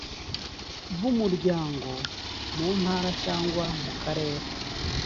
b umuryango mu ntara cyangwa mukarere